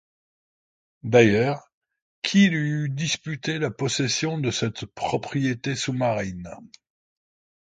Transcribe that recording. D’ailleurs, qui lui eût disputé la possession de cette propriété sous-marine ?